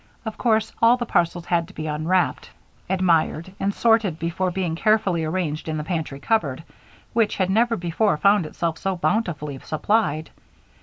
Of course all the parcels had to be unwrapped, admired, and sorted before being carefully arranged in the pantry cupboard, which had never before found itself so bountifully supplied.